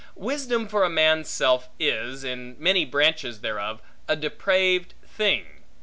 Wisdom for a man's self is, in many branches thereof, a depraved thing.